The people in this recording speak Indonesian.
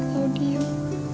gak mau diem